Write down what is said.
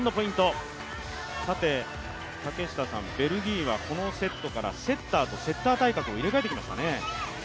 竹下さん、ベルギーはこのセットからセッターとセッター対角を入れ替えてきましたね。